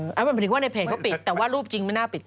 หมายถึงว่าในเพจเขาปิดแต่ว่ารูปจริงไม่น่าปิด